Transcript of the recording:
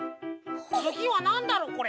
つぎはなんだろ？これ。